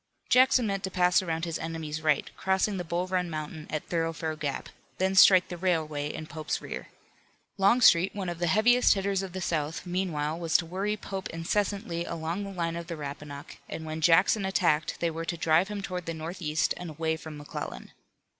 Jackson meant to pass around his enemy's right, crossing the Bull Run Mountain at Thoroughfare Gap, then strike the railway in Pope's rear. Longstreet, one of the heaviest hitters of the South, meanwhile was to worry Pope incessantly along the line of the Rappahannock, and when Jackson attacked they were to drive him toward the northeast and away from McClellan.